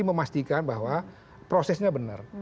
memastikan bahwa prosesnya benar